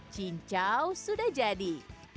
cincau sudah jadi